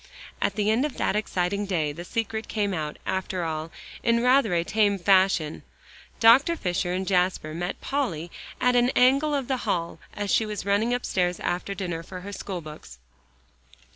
And at the end of that exciting day, the secret came out, after all, in rather a tame fashion. Dr. Fisher and Jasper met Polly in an angle of the hall, as she was running upstairs after dinner for her schoolbooks.